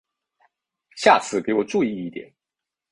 下次给我注意一点！